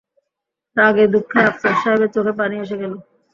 রাগে-দুঃখে আফসার সাহেবের চোখে পানি এসে গেল।